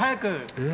え？